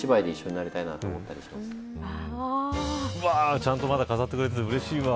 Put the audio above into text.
ちゃんと、まだ飾ってくれててうれしいわ。